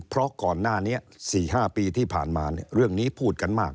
เพราะก่อนหน้านี้๔๕ปีที่ผ่านมาเรื่องนี้พูดกันมาก